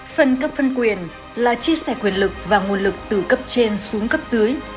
phân cấp phân quyền là chia sẻ quyền lực và nguồn lực từ cấp trên xuống cấp dưới